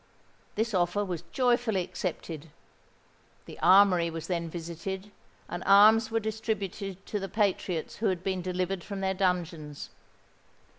This offer was joyfully accepted. The armoury was then visited, and arms were distributed to the patriots who had been delivered from their dungeons.